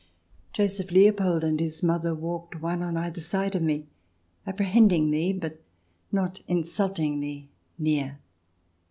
Joseph Leopold and his mother walked one on either side of me appre hendingly, but not insultingly, near.